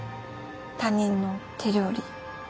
他人の手料理。